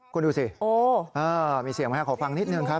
คุณดูสิมีเสียงไหมฮะขอฟังนิดนึงครับ